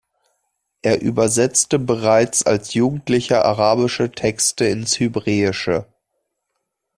Er übersetzte bereits als Jugendlicher arabische Texte ins Hebräische.